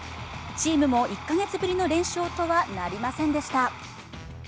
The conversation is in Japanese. チームも１カ月ぶりの連勝とはなりませんでした。